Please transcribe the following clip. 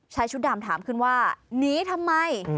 ชุดดำถามขึ้นว่าหนีทำไม